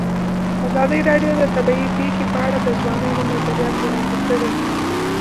ازادي راډیو د طبیعي پېښې په اړه د ځوانانو نظریات وړاندې کړي.